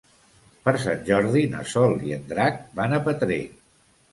Per Sant Jordi na Sol i en Drac van a Petrer.